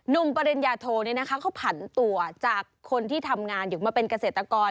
ปริญญาโทเขาผันตัวจากคนที่ทำงานอยู่มาเป็นเกษตรกร